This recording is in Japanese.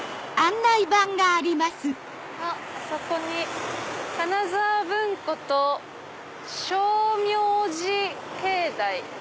あっあそこに「金沢文庫」と「称名寺境内」。